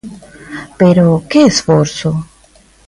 Pero, ¿que esforzo?